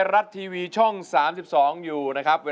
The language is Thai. รายการต่อไปนี้เป็นรายการทั่วไปสามารถรับชมได้ทุกวัย